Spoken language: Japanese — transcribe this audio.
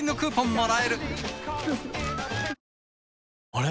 あれ？